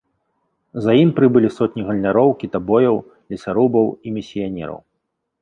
За ім прыбылі сотні гандляроў, кітабояў, лесарубаў і місіянераў.